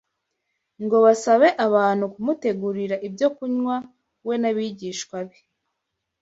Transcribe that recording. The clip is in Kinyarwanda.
ngo basabe abantu kumutegurira ibyo kunywa we n’abigishwa be